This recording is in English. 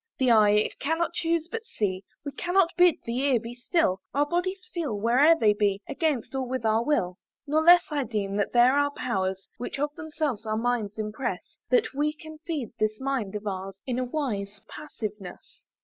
"The eye it cannot chuse but see, "We cannot bid the ear be still; "Our bodies feel, where'er they be, "Against, or with our will. "Nor less I deem that there are powers, "Which of themselves our minds impress, "That we can feed this mind of ours, "In a wise passiveness.